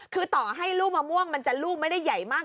คือต่อให้ลูกมะม่วงมันจะลูกไม่ได้ใหญ่มาก